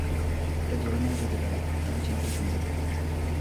এটা ধরে নেওয়া যেতে পারে, কারণ ছেলেটি সুন্দর।